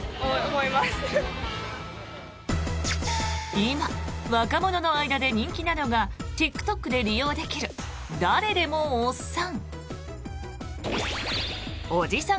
今、若者の間で人気なのがＴｉｋＴｏｋで利用できる誰でもおっさん。